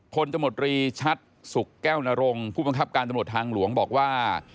ตมตรีชัดสุขแก้วนรงผู้บังคับการตำรวจทางหลวงบอกว่า